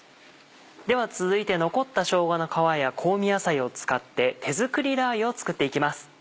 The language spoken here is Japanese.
では続いて残ったしょうがの皮や香味野菜を使って手作りラー油を作っていきます。